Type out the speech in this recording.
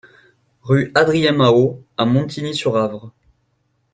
Rue Adrien Mahaut à Montigny-sur-Avre